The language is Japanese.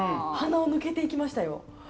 鼻を抜けていきましたよ。